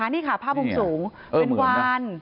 นี่ค่ะภาพมุมสูงเป็นวาน